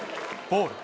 ボール。